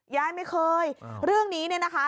ยายไม่เคยเรื่องนี้เนี่ยนะคะ